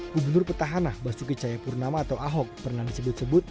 gubernur petahana basuki cayapurnama atau ahok pernah disebut sebut